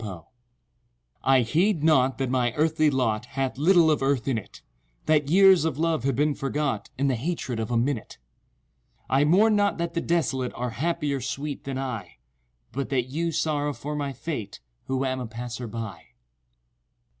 TO —— I heed not that my earthly lot Hath little of Earth in it— That years of love have been forgot In the hatred of a minute:— I mourn not that the desolate Are happier, sweet, than I, But that you sorrow for my fate Who am a passer by.